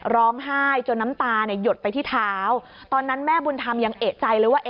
ร้องไห้จนน้ำตาเนี่ยหยดไปที่เท้าตอนนั้นแม่บุญธรรมยังเอกใจเลยว่า